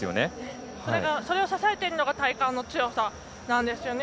それを支えているのが体幹の強さなんですよね。